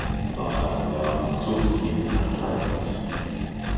Nach einem Jahr zog es ihn nach Thailand.